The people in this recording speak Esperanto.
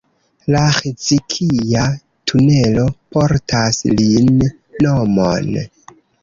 La Ĥizkija-tunelo portas lin nomon.